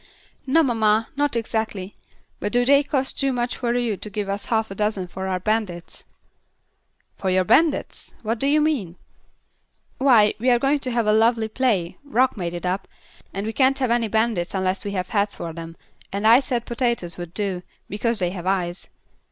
"No, mamma, not exactly; but do they cost too much for you to give us half a dozen for our bandits?" "For your bandits! What do you mean?" "Why, we are going to have a lovely play Rock made it up and we can't have any bandits unless we have heads for them, and I said potatoes would do, because they have eyes.